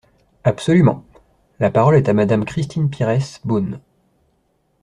Absolument ! La parole est à Madame Christine Pires Beaune.